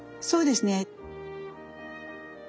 そうですね。